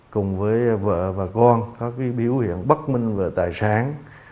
cùng với vợ và con có biểu hiện bất minh về tài sản